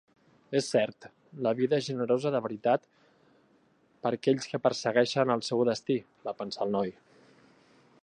És cert, la vida és generosa de veritat per aquells que persegueixen el seu destí, va pensar el noi.